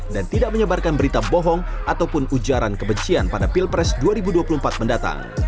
dan tidak menyebarkan berita bohong ataupun ujaran kebencian pada pilpres dua ribu dua puluh empat mendatang